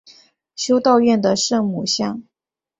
修道院的圣母像。